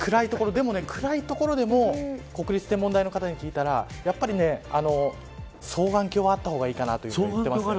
でも暗い所でも国立天文台の方に聞いたらやっぱり双眼鏡はあった方がいいかなと言ってますね。